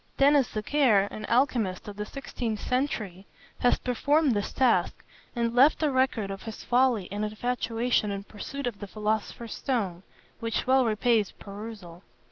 Denis Zachaire, an alchymist of the sixteenth century, has performed this task, and left a record of his folly and infatuation in pursuit of the philosopher's stone, which well repays perusal.